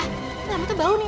nanti amatnya bau nih